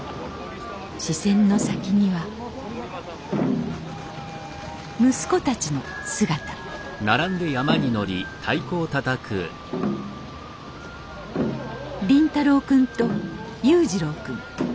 視線の先には息子たちの姿凛太郎くんと雄二朗くん。